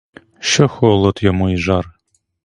Що холод йому й жар?